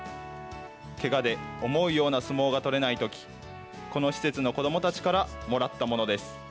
けがで思うような相撲が取れないとき、この施設の子どもたちからもらったものです。